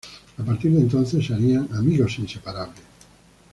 A partir de entonces se harían amigos inseparables.